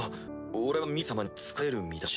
俺はミレイ様に仕える身だし。